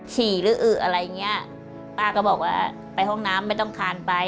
ฉี่หรืออึอะไรอย่างเงี้ยป้าก็บอกว่าไปห้องน้ำไม่ต้องคานไป